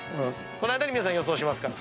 この間に皆さん予想しますから。